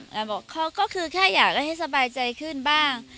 แต่บอกก็คือแค่อยากให้สบายใจขึ้นบ้าง